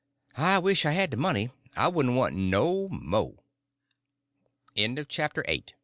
I wisht I had de money, I wouldn' want no mo'." CHAPTER IX.